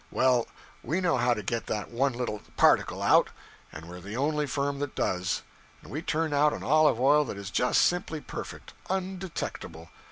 Well, we know how to get that one little particle out and we're the only firm that does. And we turn out an olive oil that is just simply perfect undetectable!